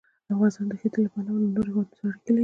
افغانستان د ښتې له پلوه له نورو هېوادونو سره اړیکې لري.